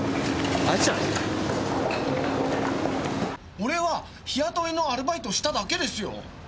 俺は日雇いのアルバイトをしただけですよ。